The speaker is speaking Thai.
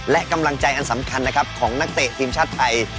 และกำลังใจอันสำคัญนะครับของนักเตะทีมชาติไทย